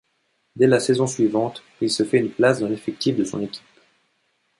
Dès la saison suivante, il se fait une place dans l'effectif de son équipe.